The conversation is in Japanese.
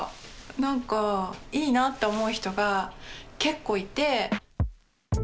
なんかいいなって思う人が結構いて。